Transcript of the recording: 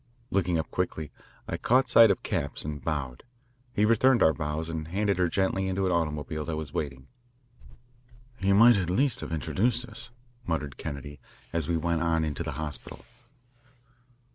Looking up quickly, I caught sight of Capps and bowed. He returned our bows and handed her gently into an automobile that was waiting. "He might at least have introduced us," muttered Kennedy, as we went on into the hospital.